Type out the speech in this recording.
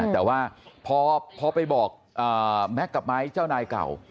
แต่ว่าพอไปบอกแม็กซ์กับไม้เจ้านายเก่า